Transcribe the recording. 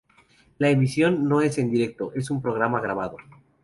La emisión no es en directo, es un programa grabado.